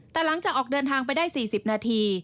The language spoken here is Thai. แต่หลังจากออกเดินทางไปได้๔๐นาที